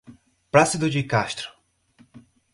Plácido de Castro